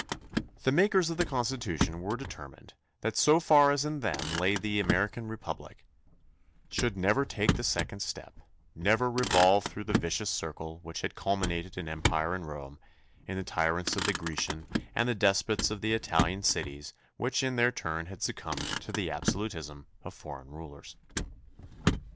The makers of the THE CONSTITUTION AND ITS MAKERS 53 Constitution were determined that so far as in them lay the American RepubHc should never take the second step, never revolve through the vicious circle which had culminated in empire in Rome, in the tyrants of the Grecian and the despots of the Italian cities which in their turn had succumbed to the absolutism of foreign rulers.